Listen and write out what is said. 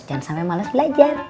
jangan sampai males belajar